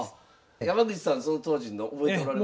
山口さんその当時の覚えておられますか？